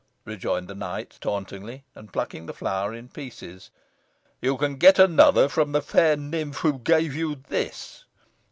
rejoined the knight tauntingly, and plucking the flower in pieces. "You can get another from the fair nymph who gave you this."